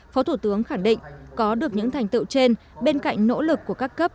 phó thủ tướng khẳng định có được những thành tựu trên bên cạnh nỗ lực của các cấp